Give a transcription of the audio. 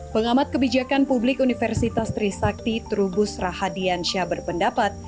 pengamat kebijakan publik universitas trisakti trubus rahadian syah berpendapat